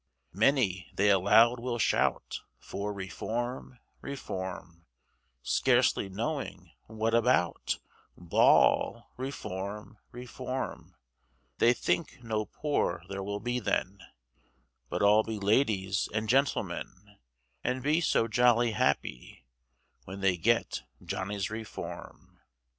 Many they aloud will shout, For Reform, Reform, Scarcely knowing what about, Bawl Reform, Reform; They think no poor there will be then, But all be ladies and gentlemen, And be so jolly happy, When they get Johnny's Reform.